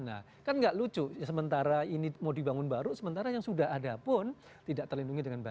nah kan nggak lucu sementara ini mau dibangun baru sementara yang sudah ada pun tidak terlindungi dengan baik